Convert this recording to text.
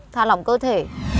thả lỏng cơ thể